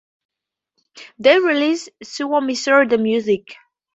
They release suomisaundi music.